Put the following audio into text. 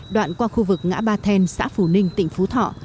đoạn qua khu vực ngã ba then xã phù ninh tỉnh phú thọ